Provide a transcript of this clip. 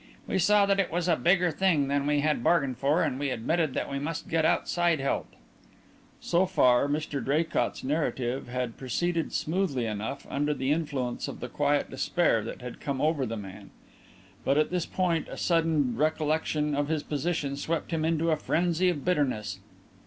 We saw that it was a bigger thing than we had bargained for and we admitted that we must get outside help." So far Mr Draycott's narrative had proceeded smoothly enough under the influence of the quiet despair that had come over the man. But at this point a sudden recollection of his position swept him into a frenzy of bitterness.